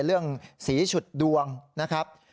เรื่องสีฉุดดวงนะครับ